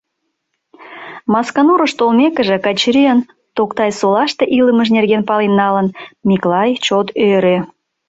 Масканурыш толмекыже, Качырийын Токтай-Солаште илымыж нерген пален налын, Миклай чот ӧрӧ.